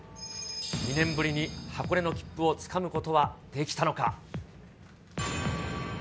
２年ぶりに箱根の切符をつかむことはできたのか。